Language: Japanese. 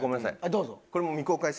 どうぞ。